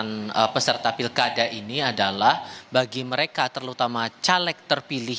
pemilihan peserta pilkada ini adalah bagi mereka terutama caleg terpilih